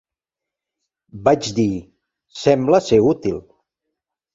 Vaig dir, "sembla ser útil.